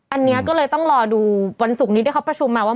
อันนี้ก็เลยต้องรอดูวันศุกร์นี้ที่เขาประชุมมาว่า